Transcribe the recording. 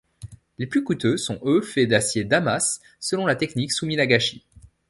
Les plus coûteux sont eux faits d'acier Damas, selon la technique Suminagashi.